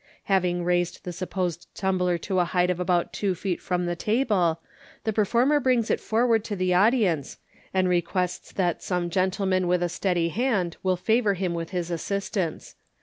Having raised the supposed tumbler to a height of about two feet from the table, the performer brings it forward to the audience, and requests that some gentleman with a steady hand will favour him with his assistance.